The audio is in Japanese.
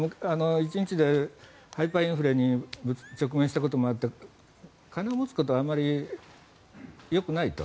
１日でハイパーインフレに直面したこともあって金を持つことはあまりよくないと。